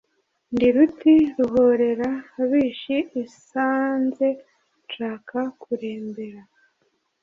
ndi ruti ruhorera abish isanze nshaka kurembera,